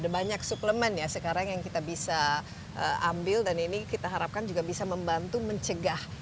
banyak suplemen ya sekarang yang kita bisa ambil dan ini kita harapkan juga bisa membantu mencegah